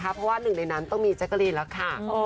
เพราะว่าหนึ่งในนั้นต้องมีแจ๊กกะลีนแล้วค่ะ